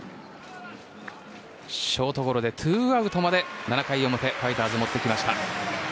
ショートゴロでツーアウトまで７回表、ファイターズは持ってきました。